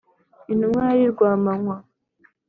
intumwa yari rwamanywa